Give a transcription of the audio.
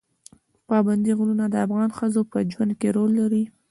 پابندی غرونه د افغان ښځو په ژوند کې رول لري.